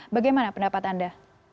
bagaimana pendapat anda